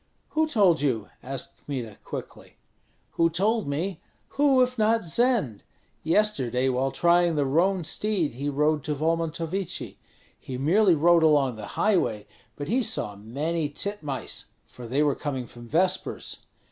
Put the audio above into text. "Who told you?" asked Kmita, quickly. "Who told me? Who, if not Zend? Yesterday while trying the roan steed he rode to Volmontovichi; he merely rode along the highway, but he saw many titmice, for they were coming from vespers.